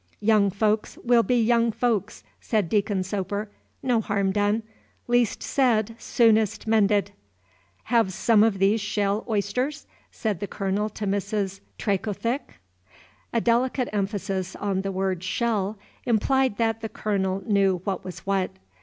"Young folks will be young folks," said Deacon Soper. "No harm done. Least said soonest mended." "Have some of these shell oysters?" said the Colonel to Mrs. Trecothick. A delicate emphasis on the word shell implied that the Colonel knew what was what.